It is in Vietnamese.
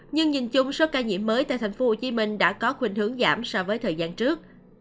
nhưng nhìn chung số ca nhiễm mới tại tp hcm đã có khuyến hướng giảm so với thời gian trước